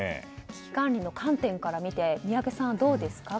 危機管理の観点から見て宮家さん、どうですか。